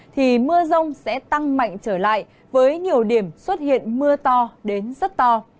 thì mưa rông sẽ tăng mạnh trở lại với nhiều điểm xuất hiện mưa to đến rất to